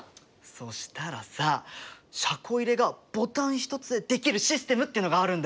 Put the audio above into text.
そしたらさ車庫入れがボタン一つでできるシステムっていうのがあるんだよ。